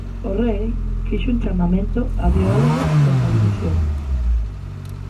O rei fixo un chamamento ao diálogo fronte á división.